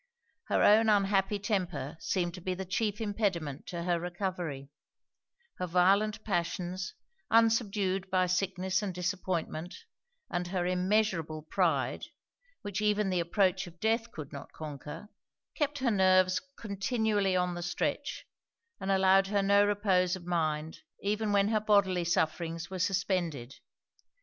Her own unhappy temper seemed to be the chief impediment to her recovery; her violent passions, unsubdued by sickness and disappointment; and her immeasurable pride, which even the approach of death could not conquer, kept her nerves continually on the stretch; and allowed her no repose of mind, even when her bodily sufferings were suspended.